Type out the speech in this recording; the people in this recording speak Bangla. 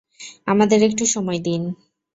আমাদের একটু সময় দিন।